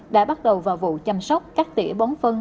đã bắt đầu vào vụ chăm sóc cắt tỉa bón phân